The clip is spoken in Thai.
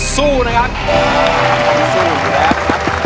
สู้นะครับ